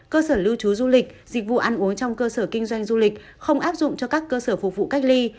cơ sở lưu trú du lịch dịch vụ ăn uống trong cơ sở kinh doanh du lịch không áp dụng cho các cơ sở phục vụ cách ly